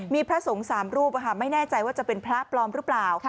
มีพระสงฆ์๓รูปไม่แน่ใจว่าจะเป็นพระปลอมหรือเปล่า